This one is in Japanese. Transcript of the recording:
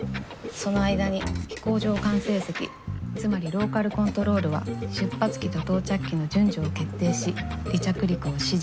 その間に飛行場管制席つまりローカル・コントロールは出発機と到着機の順序を決定し離着陸を指示。